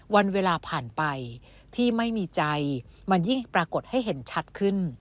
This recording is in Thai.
วันเวลาผ่านไปที่ไม่มีใจมันยิ่งปรากฏให้เห็นชัดขึ้น